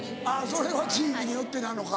それは地域によってなのか。